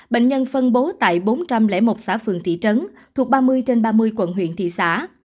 bệnh nhân phân bố tại bốn trăm linh một xã phường thị trấn thuộc ba mươi trên ba mươi quận huyện thị xã